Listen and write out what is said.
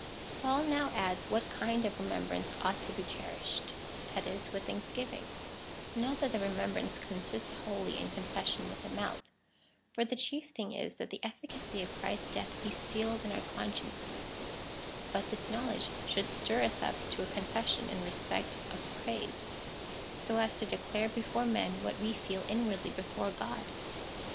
Paul now adds what kind of remembrance ought to be cherished — that is, with thanksgiving : not that the remembrance consists wholly in confession with the mouth ; for the chief thing is, that the efficacy of Chi ist's death be sealed in our consciences ; but this knowledge should stir us up to a confession in respect of praise, so as to declare before men what we feel inwardly before God.